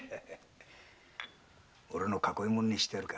おれの囲い者にしてやろうか。